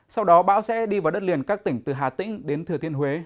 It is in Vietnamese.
sau đó bão sẽ đi vào đất liền các tỉnh từ hà tĩnh đến thừa thiên huế